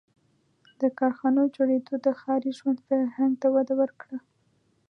• د کارخانو جوړېدو د ښاري ژوند فرهنګ ته وده ورکړه.